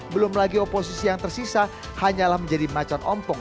belum lagi oposisi yang tersisa hanyalah menjadi macan ompong